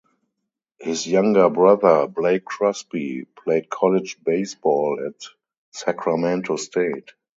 His younger brother, Blake Crosby, played college baseball at Sacramento State.